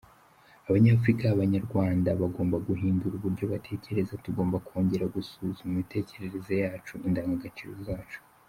Abanyafurika, Abanyarwanda bagomba guhindura uburyo batekereza, tugomba kongera gusuzuma imitekerereze yacu, indangagaciro zacu.